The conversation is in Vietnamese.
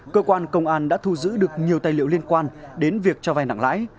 cơ quan công an đã thu giữ được nhiều tài liệu liên quan đến việc cho vai nặng lãi